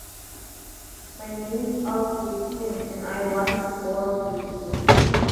My name's Alf Gibson, and I want to go out with you.